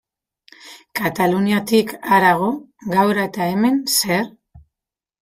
Kataluniatik harago, gaur eta hemen, zer?